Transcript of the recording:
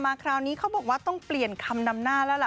คราวนี้เขาบอกว่าต้องเปลี่ยนคำนำหน้าแล้วล่ะ